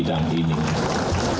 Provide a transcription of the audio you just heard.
pangan energi ini adalah peluang